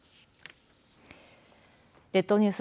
列島ニュース